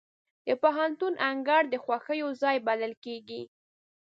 د پوهنتون انګړ د خوښیو ځای بلل کېږي.